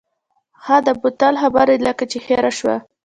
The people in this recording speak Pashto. ها د بوتل خبره دې لکه چې هېره شوه.